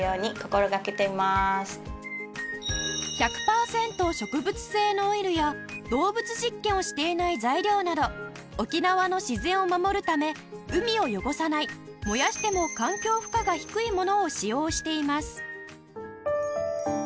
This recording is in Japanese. １００パーセント植物性のオイルや動物実験をしていない材料など沖縄の自然を守るため海を汚さない燃やしても環境負荷が低いものを使用しています